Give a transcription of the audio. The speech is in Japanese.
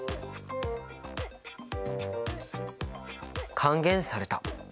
還元された。